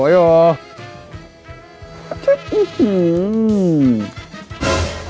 เฮ้ยจะมีจังหโหอยู่